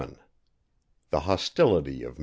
VII THE HOSTILITY OF MR.